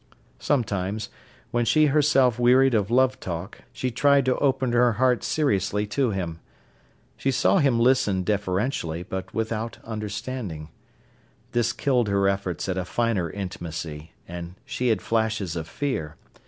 Sometimes, when she herself wearied of love talk, she tried to open her heart seriously to him. She saw him listen deferentially, but without understanding. This killed her efforts at a finer intimacy, and she had flashes of fear.